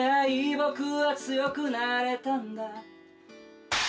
「僕は強くなれたんだ」